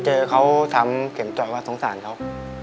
เจอเขาทำเข็มจ่อยว่าสงสารเขา